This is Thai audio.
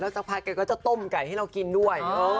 สักพักแกก็จะต้มไก่ให้เรากินด้วย